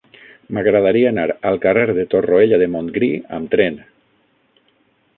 M'agradaria anar al carrer de Torroella de Montgrí amb tren.